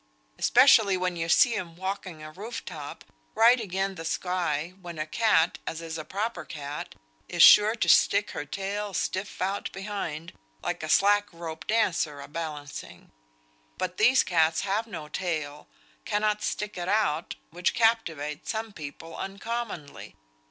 "Especially when you see 'em walking a roof top, right again the sky, when a cat, as is a proper cat, is sure to stick her tail stiff out behind, like a slack rope dancer a balancing; but these cats having no tail, cannot stick it out, which captivates some people uncommonly.